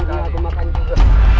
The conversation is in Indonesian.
akhirnya aku makan juga